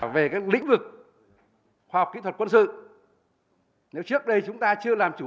về lĩnh vực khoa học kỹ thuật quân sự nếu trước đây chúng ta chưa làm chủ